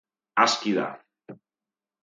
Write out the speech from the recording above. Aski da!